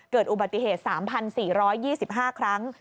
เกิดอุบัติเหตุ๓๔๒๕ครั้ง